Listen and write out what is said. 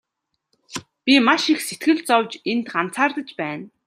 Би маш их сэтгэл зовж энд ганцаардаж байна.